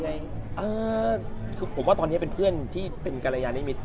คือผมว่าตอนนี้เป็นเพื่อนที่เป็นกรยานิมิตร